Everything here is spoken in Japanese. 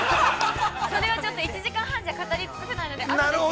◆それはちょっと１時半じゃ語り尽くせないので、あとでじっくり。